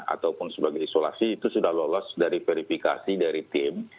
ataupun sebagai isolasi itu sudah lolos dari verifikasi dari tim